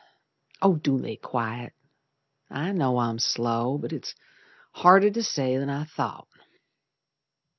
Do lay quiet, I know I'm slow, but it's harder to say 'n I thought.